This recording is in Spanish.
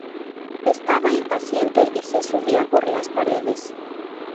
Estaba impaciente y se subía por las paredes